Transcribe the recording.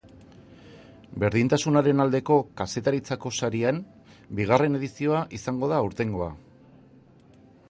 Berdintasunaren aldeko kazetaritzako sarien bigarren edizioa izango da aurtengoa.